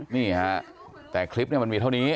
นี่ฮะแต่คลิปมันมีเท่านี้